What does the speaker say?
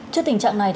trước tình trạng này